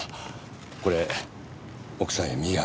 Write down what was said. これ奥さんへ土産。